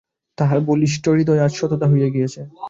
তাহার বলিষ্ঠ হৃদয় আজ শতধা হইয়া গিয়াছে।